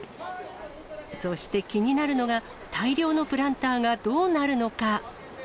そして、気になるのが、大量のプランターがどうなるのか。